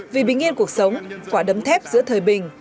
vì bình yên cuộc sống quả đấm thép giữa thời bình